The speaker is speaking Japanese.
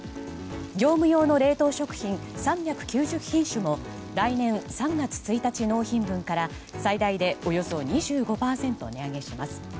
業務用の冷凍食品３９０品種も来年３月１日納品分から最大でおよそ２５％値上げします。